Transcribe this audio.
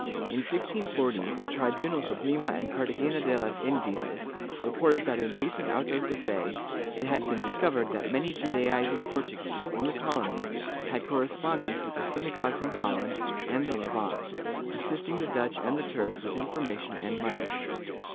In 1640, the tribunals of Lima and Cartagena de las Indias reported that in recent autos de fe it had been discovered that many Judaizing Portuguese in the colonies had correspondence with the synagogues in Holland and the Levant, assisting the Dutch and the Turks with information and money.